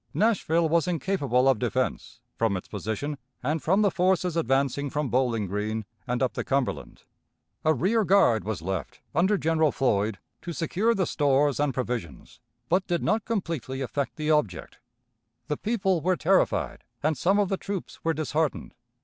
Nashville was incapable of defense, from its position, and from the forces advancing from Bowling Green and up the Cumberland. A rear guard was left, under General Floyd, to secure the stores and provisions, but did not completely effect the object. The people were terrified, and some of the troops were disheartened.